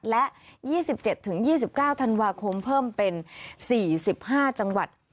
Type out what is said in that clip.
และ๒๗๒๙ธันวาคมเพิ่มเป็น๔๕จังหวัด